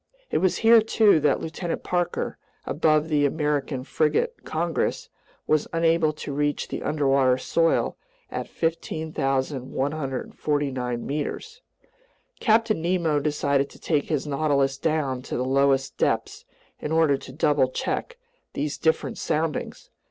It was here too that Lieutenant Parker, aboard the American frigate Congress, was unable to reach the underwater soil at 15,149 meters. Captain Nemo decided to take his Nautilus down to the lowest depths in order to double check these different soundings.